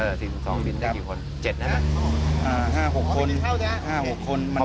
ใช่สิน๒บินได้กี่คน๗นะครับ